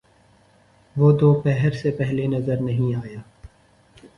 وہ دوپہر سے پہلے نظر نہیں آیا۔